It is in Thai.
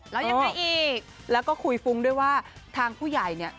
แล้วยังไงอีกแล้วก็คุยฟุ้งด้วยว่าทางผู้ใหญ่เนี่ย